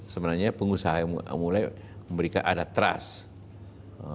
sebenarnya pengusaha yang mulai memberikan ada trust